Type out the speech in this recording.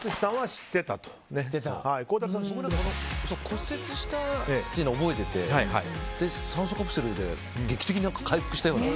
骨折したというのは覚えてて酸素カプセルで劇的に回復したような。